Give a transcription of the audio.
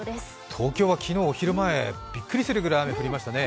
東京は昨日、お昼前びっくりするぐらい雨が降りましたね。